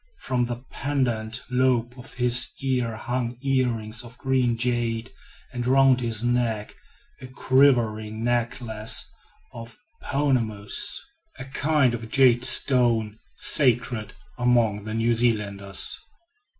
From the pendant lobe of his ears hung earrings of green jade, and round his neck a quivering necklace of "pounamous," a kind of jade stone sacred among the New Zealanders.